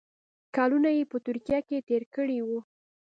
کلونه یې په ترکیه کې تېر کړي وو.